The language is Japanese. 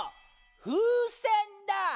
ふうせんだ。